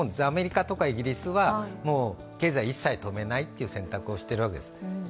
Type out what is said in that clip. アメリカとかイギリスは経済を一切止めないという選択をしているわけです。